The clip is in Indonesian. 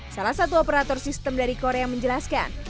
salah satu operator sistem dari korea menjelaskan